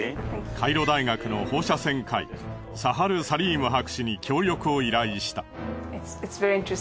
カイロ大学の放射線科医サハル・サリーム博士に協力を依頼した。